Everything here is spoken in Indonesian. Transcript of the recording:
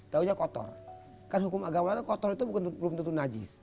tahunya kotor kan hukum agamanya kotor itu belum tentu najis